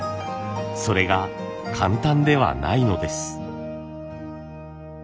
それが簡単ではないのです。